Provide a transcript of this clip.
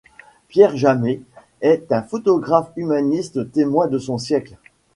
Pierre Jamet est un photographe humaniste, témoin de son siècle.